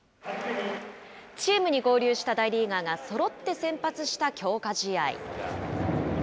チームに合流した大リーガーがそろって先発した強化試合。